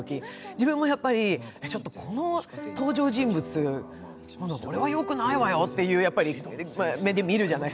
自分も、この登場人物、これはよくないわよっていう目で見るじゃない？